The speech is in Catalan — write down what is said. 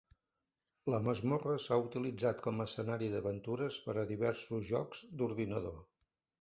La masmorra s'ha utilitzat com escenari d'aventures per a diversos jocs d'ordinador.